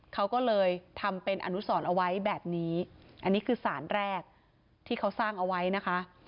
เขาก็เลยทำเป็นอนุสรเอาไว้แบบนี้อันนี้คือสารแรกที่เขาสร้างเอาไว้นะคะ